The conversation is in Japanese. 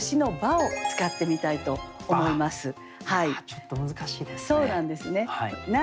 ちょっと難しいですね。